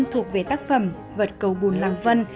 thuộc về tác phẩm vật cầu bùn làng vân